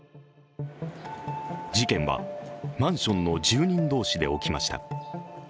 事件は、マンションの住人同士で起きました。